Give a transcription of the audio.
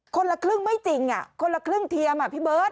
คนละครึ่งไม่จริงคนละครึ่งเทียมพี่เบิร์ต